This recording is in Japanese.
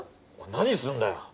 何すんだよ！